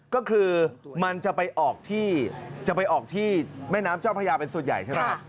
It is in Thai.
ก็คือมันจะไปออกที่จะไปออกที่แม่น้ำเจ้าพระยาเป็นส่วนใหญ่ใช่ไหม